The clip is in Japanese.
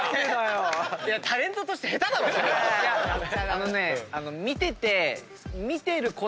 あのね見てて。